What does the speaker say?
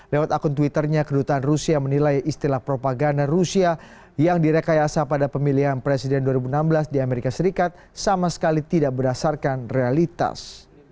lewat akun twitternya kedutaan rusia menilai istilah propaganda rusia yang direkayasa pada pemilihan presiden dua ribu enam belas di amerika serikat sama sekali tidak berdasarkan realitas